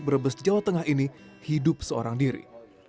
brebes jawa tengah ini hidup seorang diri